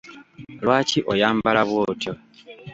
Lwaki oyambala bw'otyo?